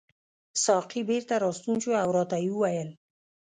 ساقي بیرته راستون شو او راته یې وویل.